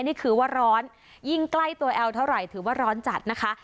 นี่คือว่าร้อนยิ่งใกล้ตัวแอลเท่าไหร่ถือว่าร้อนจัดนะคะ